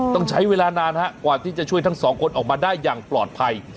ต้องใช้เวลานานฮะกว่าที่จะช่วยทั้งสองคนออกมาได้อย่างปลอดภัย